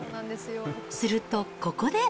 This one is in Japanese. すると、ここで。